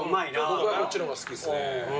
僕はこっちの方が好きっすね。